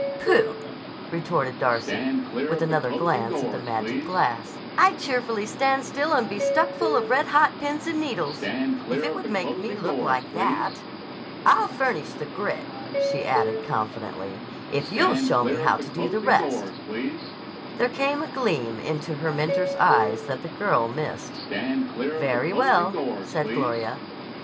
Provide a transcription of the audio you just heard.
"Pooh!" retorted Darcy with another glance at the magic glass. "I'd cheerfully stand still and be stuck full of red hot pins and needles, if it would make me look like that. I'll furnish the grit," she added confidently, "if you'll show me how to do the rest." There came a gleam into her mentor's eye that the girl missed. "Very well," said Gloria.